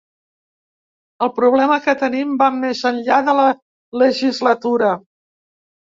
El problema que tenim va més enllà de la legislatura.